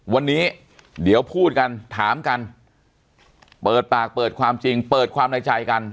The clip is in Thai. วันนี้เดี๋ยวพูดกันถามกันเปิดปากเปิดความจริงเปิดความในใจกัน